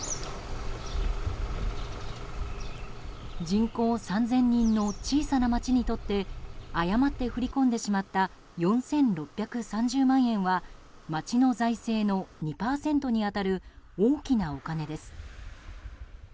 人口３０００人の小さな町にとって誤って振り込んでしまった４６３０万円は町の財政の２％に当たる大きなお金です。